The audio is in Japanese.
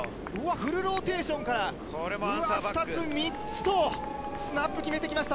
フルローテーションから２つ、３つとスナップを決めてきました。